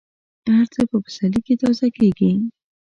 هر څه په پسرلي کې تازه کېږي.